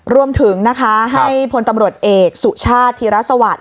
รวมถึงนะคะให้พลตำรวจเอกสุชาติธีรสวัสดิ